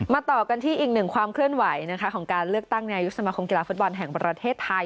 ต่อกันที่อีกหนึ่งความเคลื่อนไหวของการเลือกตั้งนายกสมาคมกีฬาฟุตบอลแห่งประเทศไทย